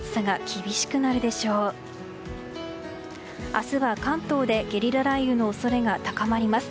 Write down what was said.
明日は関東でゲリラ雷雨の恐れが高まります。